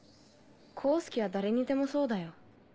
功介は誰にでもそうだよ。